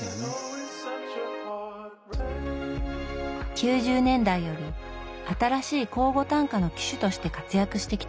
９０年代より新しい口語短歌の旗手として活躍してきた穂村さん。